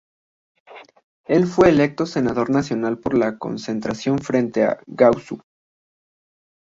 El fue electo senador nacional por la Concertación Frente Guasú.